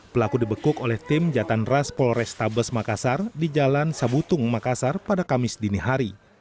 pelaku dibekuk oleh tim jatandras polrestabes makassar di jalan sabutung makassar pada kamis dinihari